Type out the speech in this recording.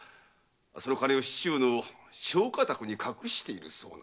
その金を市中の商家宅に隠しているそうな。